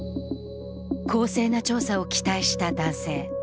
公正な調査を期待した男性。